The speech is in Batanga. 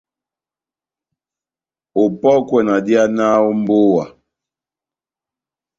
Opɔ́kwɛ na dihanaha ó mbówa.